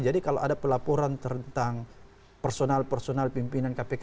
jadi kalau ada pelaporan tentang personal personal pimpinan kpk